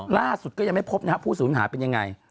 ก็ยังเหมือนพบแล้วผู้สูญหาเป็นยังไง